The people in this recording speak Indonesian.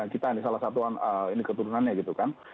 kita ini salah satu ini keturunannya gitu kan